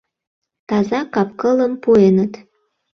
Таза кап-кылым пуэныт.